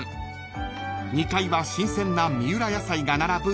［２階は新鮮な三浦野菜が並ぶやさい館］